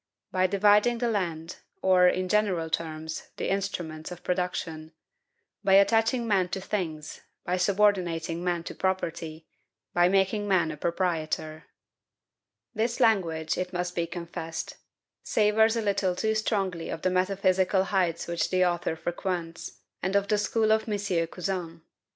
by dividing the land, or, in general terms, the instruments of production; by attaching men to things, by subordinating man to property, by making man a proprietor." This language, it must be confessed, savors a little too strongly of the metaphysical heights which the author frequents, and of the school of M. Cousin.